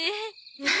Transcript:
まあ！